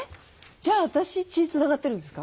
じゃあ私血つながってるんですか？